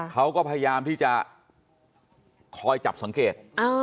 เขาก็พยายามที่จะคอยจับสังเกต